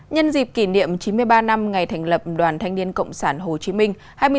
nhân dịp kỷ niệm chín mươi ba năm ngày thành lập đoàn thanh niên cộng sản hồ chí minh